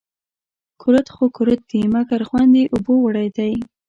کورت خو کورت دي ، مگر خوند يې اوبو وړى دى